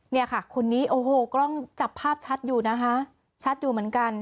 เนี่ยค่ะคนนี้โอ้โหกล้องจับภาพชัดอยู่นะคะชัดอยู่เหมือนกัน